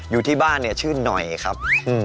อยู่ที่บ้านเนี่ยชื่อหน่อยครับ